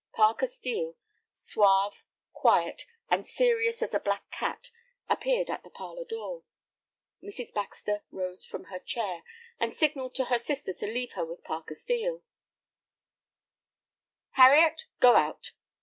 Parker Steel, suave, quiet, and serious as a black cat, appeared at the parlor door. Mrs. Baxter rose from her chair, and signalled to her sister to leave her with Parker Steel. "Harriet, go out.